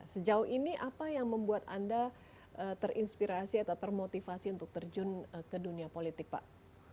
sejauh ini apa yang membuat anda terinspirasi atau termotivasi untuk terjun ke dunia politik pak